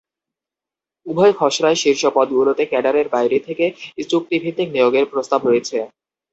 উভয় খসড়ায় শীর্ষ পদগুলোতে ক্যাডারের বাইরে থেকে চুক্তিভিত্তিক নিয়োগের প্রস্তাব রয়েছে।